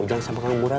dan tuhan yang selon